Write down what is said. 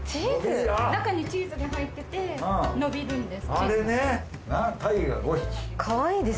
中にチーズが入っててのびるんです。